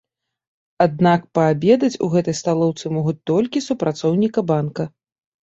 Аднак паабедаць у гэтай сталоўцы могуць толькі супрацоўнікі банка.